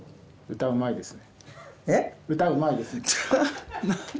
「歌うまいですね」